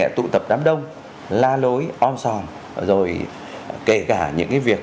là tụ tập đám đông la lối on song rồi kể cả những cái việc